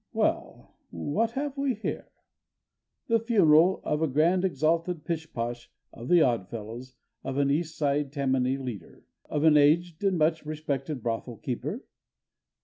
Well, what have we here? The funeral of a Grand Exalted Pishposh of the Odd Fellows, of an East Side Tammany leader, of an aged and much respected brothel keeper?